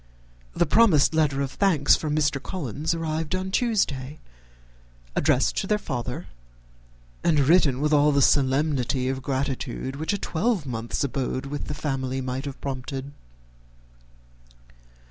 The promised letter of thanks from Mr. Collins arrived on Tuesday, addressed to their father, and written with all the solemnity of gratitude which a twelve month's abode in the family might have prompted.